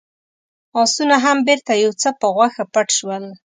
آسونه هم بېرته يو څه په غوښه پټ شول.